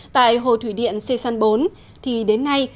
tại hồ thủy điện xê săn bốn thì đến nay